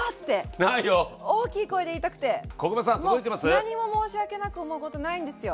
もう何も申し訳なく思うことないんですよ。